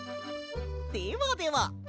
ではでは。